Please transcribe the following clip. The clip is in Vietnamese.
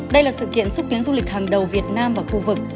đây là sự kiện xúc tiến du lịch hàng đầu việt nam và khu vực